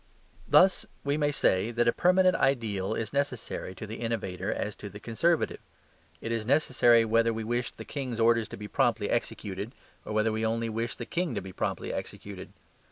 Thus we may say that a permanent ideal is as necessary to the innovator as to the conservative; it is necessary whether we wish the king's orders to be promptly executed or whether we only wish the king to be promptly executed.